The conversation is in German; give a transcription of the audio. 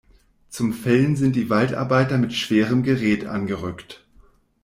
Zum Fällen sind die Waldarbeiter mit schwerem Gerät angerückt.